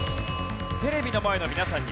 テレビの前の皆さんにはヒント。